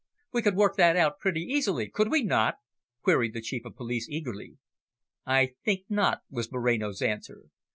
"We could work that out pretty easily, could we not?" queried the Chief of Police eagerly. "I think not," was Moreno's answer.